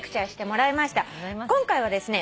今回はですね